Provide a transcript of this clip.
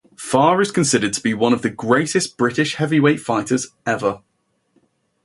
Farr is considered to be one of the greatest British heavyweight fighters ever.